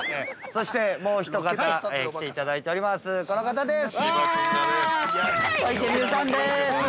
◆そしてもう一方、来ていただいております、この方です。